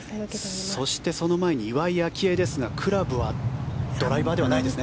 そしてその前に岩井明愛ですがクラブはドライバーではないですね。